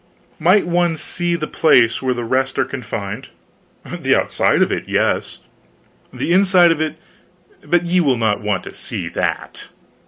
"Might one see the place where the rest are confined?" "The outside of it yes. The inside of it but ye will not want to see that."